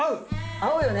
合うよね。